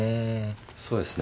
そうですね。